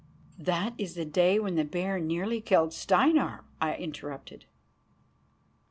"That is the day when the bear nearly killed Steinar," I interrupted.